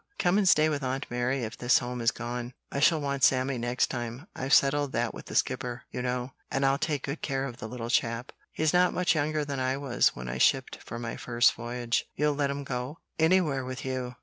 "Come and stay with Aunt Mary if this home is gone. I shall want Sammy next time. I've settled that with the Skipper, you know, and I'll take good care of the little chap. He's not much younger than I was when I shipped for my first voyage. You'll let him go?" "Anywhere with you.